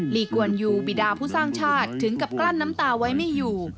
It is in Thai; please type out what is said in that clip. ีกวนยูบิดาผู้สร้างชาติถึงกับกลั้นน้ำตาไว้ไม่อยู่